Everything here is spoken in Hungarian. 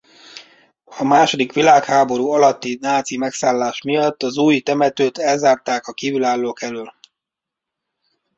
A második világháború alatti náci megszállás miatt az Új temetőt elzárták a kívülállók elől.